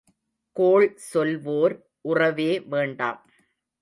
கோள் சொல்வோர் உறவே வேண்டாம்.